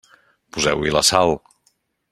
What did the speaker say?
Poseu-hi la sal.